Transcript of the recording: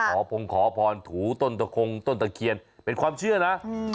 พงขอพรถูต้นตะคงต้นตะเคียนเป็นความเชื่อนะ